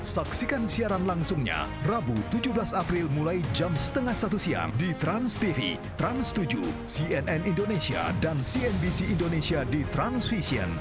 saksikan siaran langsungnya rabu tujuh belas april mulai jam setengah satu siang di transtv trans tujuh cnn indonesia dan cnbc indonesia di transvision